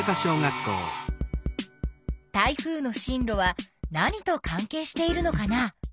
台風の進路は何と関係しているのかな？